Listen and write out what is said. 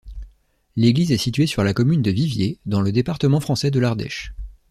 L'église est située sur la commune de Viviers, dans le département français de l'Ardèche.